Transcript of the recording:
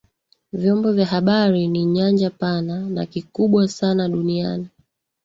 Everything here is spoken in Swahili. vyombo vya habari ni nyanja pana na kubwa sana duniani